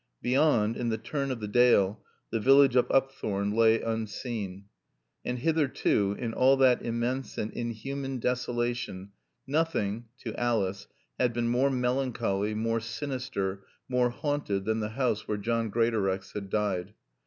Beyond, in the turn of the Dale, the village of Upthorne lay unseen. And hitherto, in all that immense and inhuman desolation nothing (to Alice) had been more melancholy, more sinister, more haunted than the house where John Greatorex had died.